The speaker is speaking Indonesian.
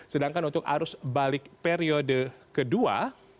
sedangkan untuk arus balik periode kedua